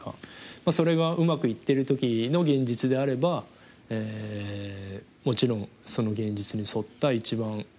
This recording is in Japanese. まあそれがうまくいってる時の現実であればもちろんその現実に沿った一番いいことをやっていく。